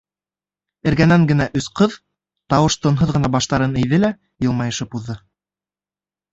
Эргәнән генә өс ҡыҙ, тауыш-тынһыҙ ғына баштарын эйҙе лә, йылмайышып уҙҙы.